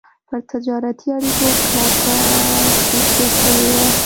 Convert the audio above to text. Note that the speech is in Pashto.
پر تجارتي عوایدو کلکه تکیه کړې وه.